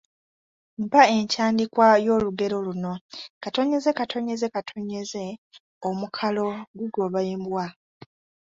Mpa entandikwa y’olugero luno: ….…,omukalo gugoba embwa.